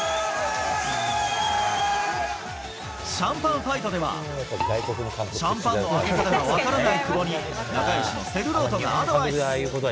シャンパンファイトでは、シャンパンの開け方が分からない久保に、仲よしのセルロートがアドバイス。